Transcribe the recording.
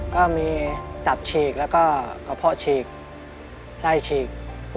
ก็มีตับฉีกแล้วก็กระเพาะฉีกไส้ฉีก